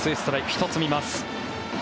１つ見ます。